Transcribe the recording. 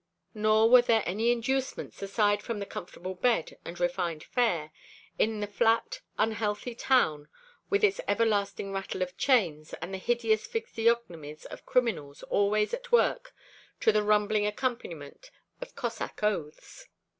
Nor were there any inducements aside from a comfortable bed and refined fare, in the flat, unhealthy town with its everlasting rattle of chains, and the hideous physiognomies of criminals always at work to the rumbling accompaniment of Cossack oaths.